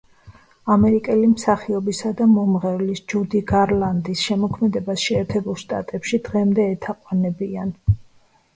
ამერიკელი მსახიობისა და მომღერლის ჯუდი გარლანდის შემოქმედებას შეერთებულ შტატებში დღემდე ეთაყვანებიან.